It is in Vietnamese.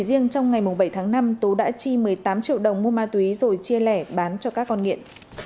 riêng trong ngày bảy tháng năm tú đã chi một mươi tám triệu đồng mua ma túy rồi chia lẻ bán cho các con nghiện